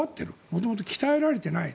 もともと鍛えられていない。